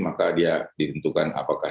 maka dia ditentukan apakah